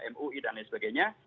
mui dan lain sebagainya